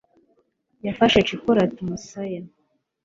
yafashe chipolata umusaya